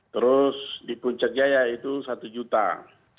terus di puncak jaya itu rp satu